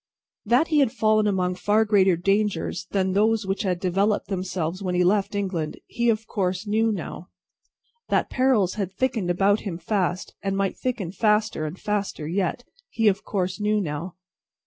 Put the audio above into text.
That he had fallen among far greater dangers than those which had developed themselves when he left England, he of course knew now. That perils had thickened about him fast, and might thicken faster and faster yet, he of course knew now.